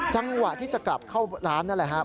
จังหวะที่จะกลับเข้าร้านนั่นแหละครับ